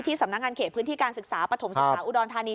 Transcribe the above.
สำนักงานเขตพื้นที่การศึกษาปฐมศึกษาอุดรธานี